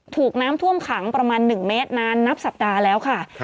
ถูกน้ำท่วมขังประมาณ๑เมตรนานนับสัปดาห์แล้วค่ะ